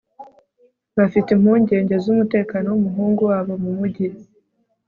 bafite impungenge zumutekano wumuhungu wabo mumujyi